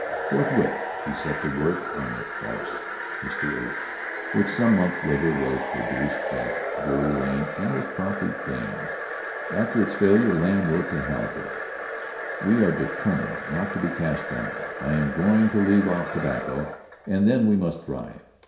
Forthwith he set to work on the farce "Mr. H.," which some months later was produced at Drury Lane and was promptly damned. After its failure Lamb wrote to Hazlitt "We are determined not to be cast down. I am going to leave off tobacco, and then we must thrive.